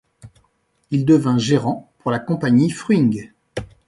Il devint gérant pour la compagnie Fruing.